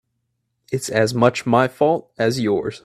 It's as much my fault as yours.